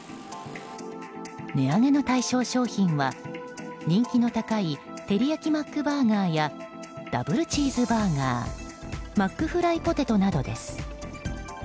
値上げの対象商品は人気の高いてりやきマックバーガーやダブルチーズバーガーマックフライポテトなどです。